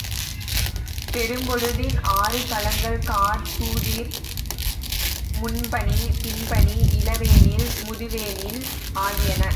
பெரும்பொழுதின் ஆறு காலங்கள் கார், கூதிர், முன்பனி, பின்பனி, இளவேனில், முதுவேனில் ஆகியன.